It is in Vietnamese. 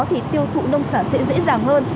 tiêu thụ nông sản sẽ dễ dàng hơn